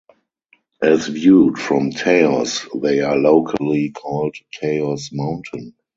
As viewed from Taos, they are locally called Taos Mountain.